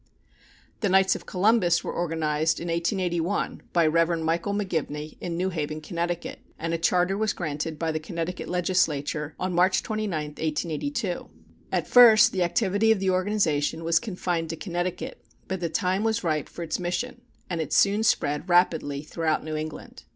The Knights of Columbus were organized in 1881 by Rev. Michael McGivney, in New Haven, Connecticut, and a charter was granted by the Connecticut Legislature on March 29,1882. At first the activity of the organization was confined to Connecticut, but the time was ripe for its mission, and it soon spread rapidly throughout New England.